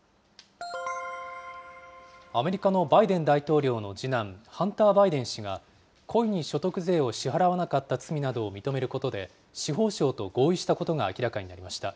アメリカのバイデン大統領の次男、ハンター・バイデン氏が、故意に所得税を支払わなかった罪などを認めることで、司法省と合意したことが明らかになりました。